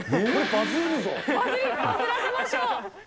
バズらせましょう。